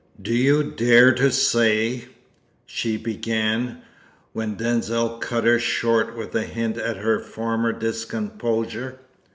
"Do you dare to say " she began, when Denzil cut her short with a hint at her former discomposure.